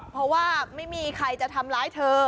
เพราะว่าไม่มีใครจะทำร้ายเธอ